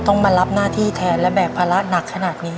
ต้องมารับหน้าที่แทนและแบกภาระหนักขนาดนี้